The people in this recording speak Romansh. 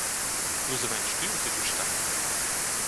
«Nus havein stuiu sedustar.